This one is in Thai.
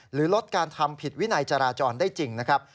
ลดการทำผิดวินัยจราจรได้จริงนะครับ